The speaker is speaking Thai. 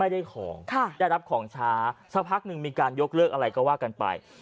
ได้ของได้รับของช้าสักพักหนึ่งมีการยกเลิกอะไรก็ว่ากันไป